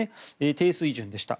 低水準でした。